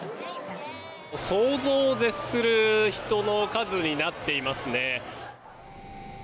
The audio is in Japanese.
想像を絶する人の数になっていますね。